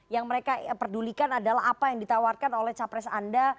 yang mereka pedulikan adalah apa yang ditawarkan oleh capres anda